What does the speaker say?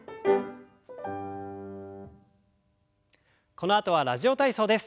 このあとは「ラジオ体操」です。